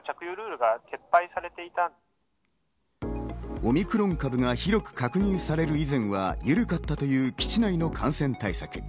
オミクロン株が広く確認される以前は緩かったという基地内の感染対策。